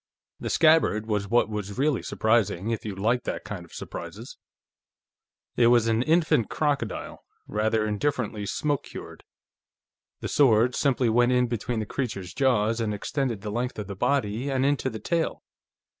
The scabbard was what was really surprising, if you liked that kind of surprises. It was an infant crocodile, rather indifferently smoke cured; the sword simply went in between the creature's jaws and extended the length of the body and into the tail.